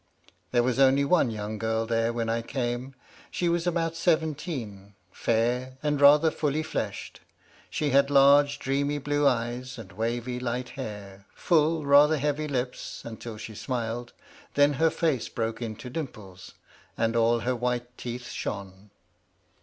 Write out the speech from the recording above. There was only one young girl there when I came. She was about seventeen, fair, and rather fully fleshed; she had large dreamy blue eyes, and wavy light hair; full, rather heavy lips, until she smiled; then her face broke into dimples, and all her white teeth shone.